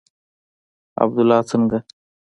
عبدالله څنگه.